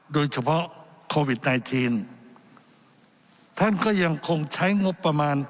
โดยเฉพาะโควิดไนทีนท่านก็ยังคงใช้งบประมาณ